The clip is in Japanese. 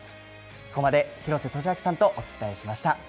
ここまで廣瀬俊朗さんとお伝えしました。